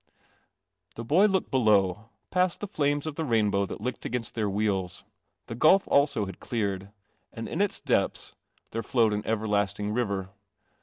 The boy looked below, past the flames of the rainbow that licked against their wheels. The gulf also had cleared, and in its depths there flowed an everlasting river.